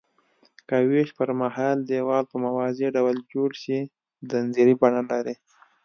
که ویش پرمهال دیوال په موازي ډول جوړ شي ځنځیري بڼه لري.